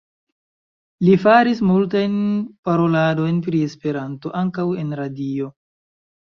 Li faris multajn paroladojn pri Esperanto, ankaŭ en radio.